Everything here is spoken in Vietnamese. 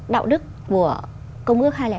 đạo đức của công ước hai trăm linh ba